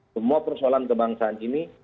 semua persoalan kebangsaan ini